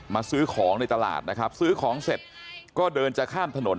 ซื้อของในตลาดนะครับซื้อของเสร็จก็เดินจะข้ามถนน